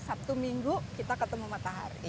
sabtu minggu kita ketemu matahari